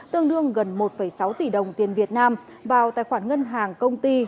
tương đương gần một sáu tỷ đồng tiền việt nam vào tài khoản ngân hàng công ty